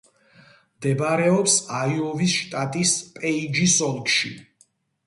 მდებარეობს აიოვის შტატის პეიჯის ოლქში.